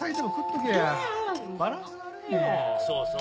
そうそう。